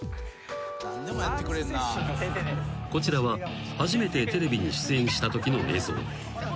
［こちらは初めてテレビに出演したときの映像］